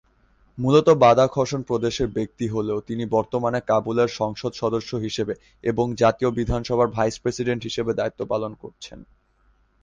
মূলত বাদাখশন প্রদেশের ব্যক্তি হলেও তিনি বর্তমানে কাবুলের সংসদ সদস্য হিসেবে এবং জাতীয় বিধানসভার ভাইস প্রেসিডেন্ট হিসেবে দায়িত্বপালন করছেন।